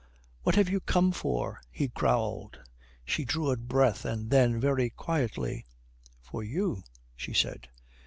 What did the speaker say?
"What have you come for?" he growled. She drew a breath, and then, very quietly, "For you," she said.